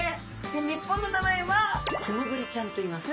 で日本の名前はツムブリちゃんといいます。